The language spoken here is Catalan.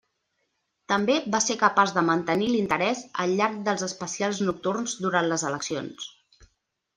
També va ser capaç de mantenir l'interès al llarg dels especials nocturns durant les eleccions.